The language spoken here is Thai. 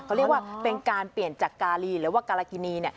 เขาเรียกว่าเป็นการเปลี่ยนจากการีหรือว่าการากินี